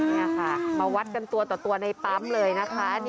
นี่ค่ะมาวัดกันตัวต่อตัวในปั๊มเลยนะคะ